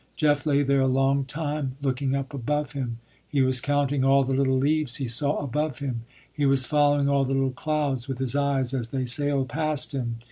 Jeff lay there a long time, looking up above him. He was counting all the little leaves he saw above him. He was following all the little clouds with his eyes as they sailed past him.